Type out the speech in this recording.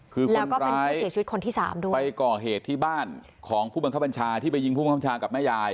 คือคนร้ายไปก่อเหตุที่บ้านของผู้บังคับบัญชาที่ไปยิงผู้บังคับบัญชากับแม่ยาย